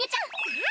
えっ？